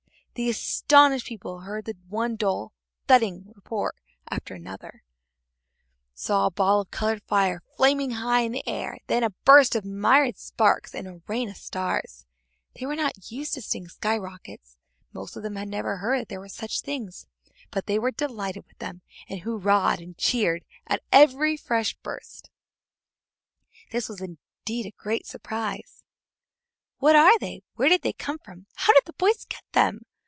The astonished people heard one dull thudding report after another, saw a ball of colored fire flaming high in the air, then a burst of myriad sparks and a rain of stars. They were not used to seeing sky rockets, most of them had never heard that there were such things, but they were delighted with them, and hurrahed and cheered at each fresh burst. This was indeed a great surprise. "What are they? Where did they come from? How did the boys get them?"